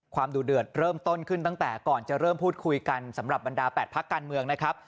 ดูเดือดเริ่มต้นขึ้นตั้งแต่ก่อนจะเริ่มพูดคุยกันสำหรับบรรดา๘พักการเมืองนะครับ